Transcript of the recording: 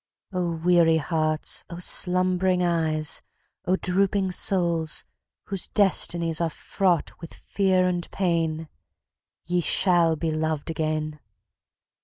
O weary hearts! O slumbering eyes! O drooping souls, whose destinies Are fraught with fear and pain, Ye shall be loved again!